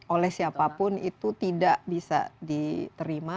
oleh siapapun itu tidak bisa diterima